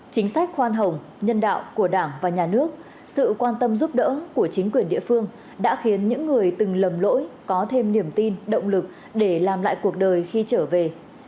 chính sách khoan hồng nhân đạo của đảng và nhà nước sự quan tâm giúp đỡ của chính quyền địa phương đã khiến những người từng lầm lỗi có thêm niềm tin động lực để làm lại cuộc đời khi trở về